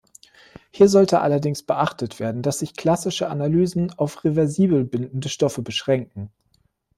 Hier sollte allerdings beachtet werden, dass sich klassische Analysen auf reversibel bindende Stoffe beschränken.